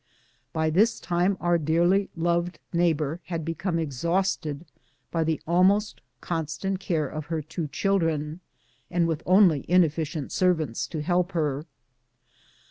By this time our dearly loved neighbor had become exhausted by the almost constant care of her two children, and with only ineflScient servants to help her.